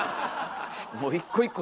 もう一個一個「えぇ！」